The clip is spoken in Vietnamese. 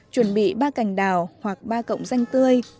chuẩn bị ba cành đào hoặc ba cộng danh tươi